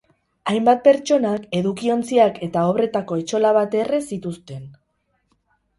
Hainbat pertsonak edukiontziak eta obretako etxola bat erre zituzten.